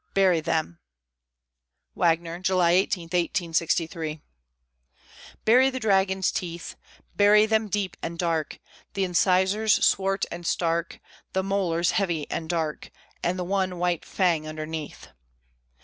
BURY THEM (WAGNER, July 18, 1863) Bury the Dragon's Teeth! Bury them deep and dark! The incisors swart and stark, The molars heavy and dark And the one white Fang underneath!